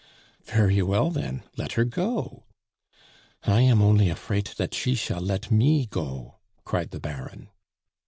"Very well then, let her go." "I am only afrait dat she shall let me go!" cried the Baron.